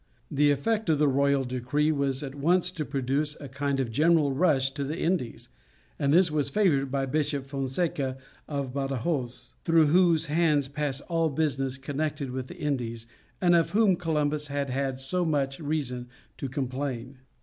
The effect of the royal decree was at once to produce a kind of general rush to the Indies, and this was favoured by Bishop Fonseca of Badajoz, through whose hands passed all business connected with the Indies, and of whom Columbus had had so much reason to complain.